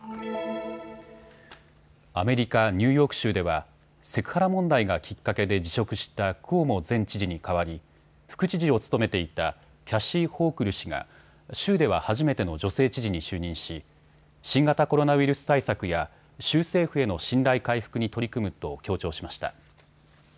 アメリカ・ニューヨーク州ではセクハラ問題がきっかけで辞職したクオモ前知事に代わり副知事を務めていたキャシー・ホークル氏が州では初めての女性知事に就任し、新型コロナウイルス対策や州政府への信頼回復に取り組むと強調しました。